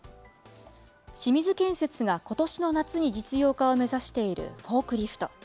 清水建設がことしの夏に実用化を目指しているフォークリフト。